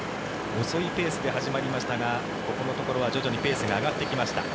遅いペースで始まりましたがここのところは徐々にペースが上がってきました。